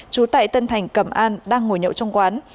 trú tại tân thành cẩm an đang ngồi nhậu trong quán